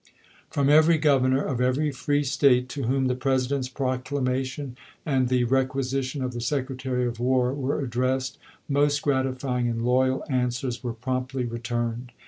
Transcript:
From every governor of every free State to whom the President's proclamation and the requi sition of the Secretary of War were addressed, most gratifying and loyal answers were promptly returned.